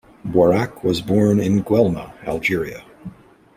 Boirac was born in Guelma, Algeria.